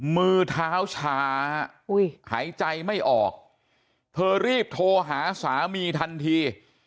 มือเท้าชาหายใจไม่ออกเธอรีบโทรหาสามีทันที